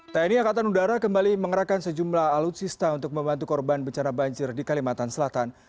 tni angkatan udara kembali mengerahkan sejumlah alutsista untuk membantu korban bencana banjir di kalimantan selatan